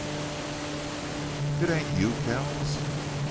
2 "It ain't you KELLS?"